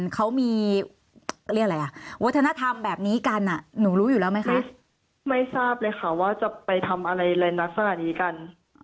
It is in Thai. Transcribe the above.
เขามีเรียกอะไรอ่ะวัฒนธรรมแบบนี้กันหนูรู้อยู่แล้วไหมคะไม่ทราบเลยค่ะว่าจะไปทำอะไรในลักษณะนี้กัน